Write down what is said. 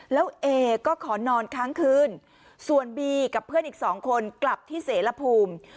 แล้วเอก็ขอนอนค้างคืนส่วนบีกับเพื่อนอีกสองคนกลับที่เสรภูมิ